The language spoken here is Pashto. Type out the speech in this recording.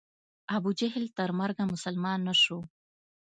ابو جهل تر مرګه مسلمان نه سو.